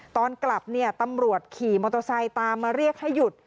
ตอนกลับเนี่ยตำรวจขี่มอเตอร์ไซค์ตามมาเรียกให้หยุด